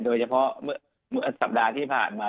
โดยเฉพาะเมื่อสัปดาห์ที่ผ่านมา